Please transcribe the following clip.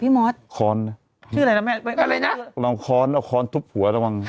มอสค้อนนะชื่ออะไรนะแม่อะไรนะลองค้อนเอาค้อนทุบหัวระวัง